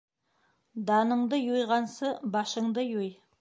Даныңды юйғансы, башыңды юй.